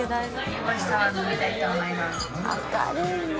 「明るいねえ」